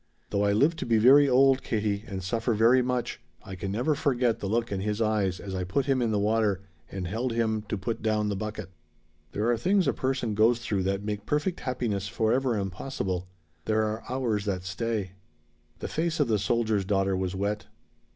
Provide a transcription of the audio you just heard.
Though I live to be very old, Katie, and suffer very much, I can never forget the look in his eyes as I put him in the water and held him to put down the bucket. There are things a person goes through that make perfect happiness forever impossible. There are hours that stay." The face of the soldier's daughter was wet.